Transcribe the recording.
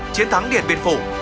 chiến thắng điện biên phủ